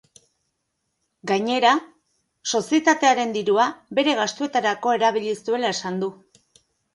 Gainera, sozietatearen dirua bere gastuetarako erabili zuela esan du.